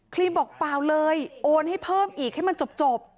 รีบบอกเปล่าเลยโอนให้เพิ่มอีกให้มันจบ